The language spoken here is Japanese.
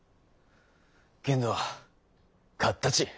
けんど勝ったち